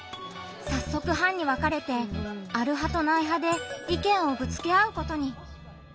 さっそく班に分かれて「ある派」と「ない派」で意見をぶつけ合うことに。